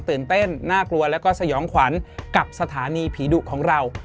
ตื่นเต้นน่ากลัวแล้วก็สยองขวัญกับสถานีผีดุของเรา